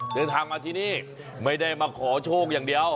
เดินทางมาที่นี่ไม่ได้มาขอโชคอย่างเดียว